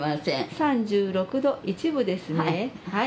３６度１分ですね。